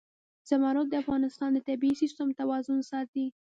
زمرد د افغانستان د طبعي سیسټم توازن ساتي.